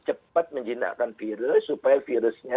cepat menjinakkan virus supaya virusnya